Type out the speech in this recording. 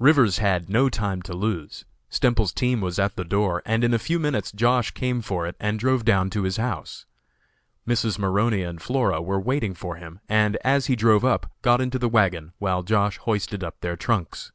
Rivers had no time to lose. Stemples's team was at the door, and in a few minutes Josh. came for it and drove down to his house. Mrs. Maroney and Flora were waiting for him, and, as he drove up, got into the wagon, while Josh. hoisted up their trunks.